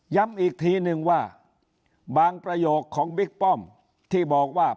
ย้ำอีกทีนึงว่าบางประโยคของบิ๊กป้อมที่บอกว่า